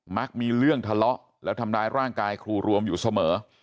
มีเรื่องทะเลาะแล้วทำร้ายร่างกายครูรวมอยู่เสมอ